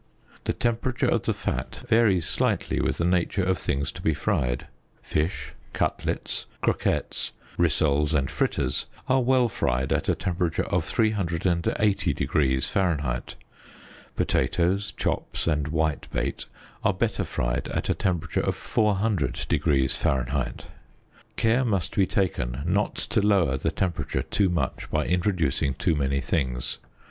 The temperature of the fat varies slightly with the nature of things to be fried. Fish, cutlets, croquets, rissoles and fritters are well fried at a temperature of 380 Fahr. Potatoes, chops and white bait are better fried at a temperature of 400 ┬░ Fahr. Care must be taken not to lower the temperature too much by introducing too many things.